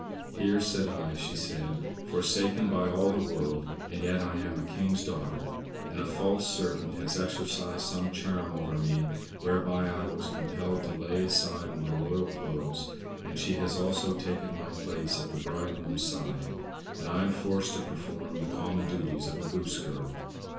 "Here sit I," she said "forsaken by all the world, and yet I am a King's daughter; and a false servant has exercised some charm over me, whereby I was compelled to lay aside my royal clothes; and she has also taken my place at the bridegroom's side, and I am forced to perform the common duties of a Goose Girl.